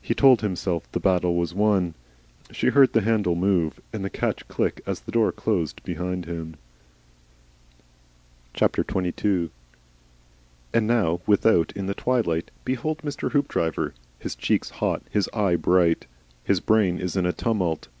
He told himself that his battle was won. She heard the handle move and the catch click as the door closed behind him. XXII. And now without in the twilight behold Mr. Hoopdriver, his cheeks hot, his eye bright! His brain is in a tumult.